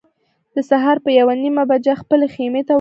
د سهار په یوه نیمه بجه خپلې خیمې ته ورسېدو.